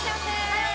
はい！